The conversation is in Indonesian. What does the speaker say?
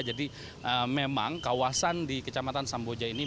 jadi memang kawasan di kecamatan samboja ini